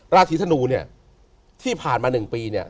ราศีธนูที่ผ่านมา๑ปี